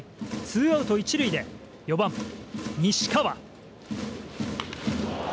ツーアウト１塁で４番、西川。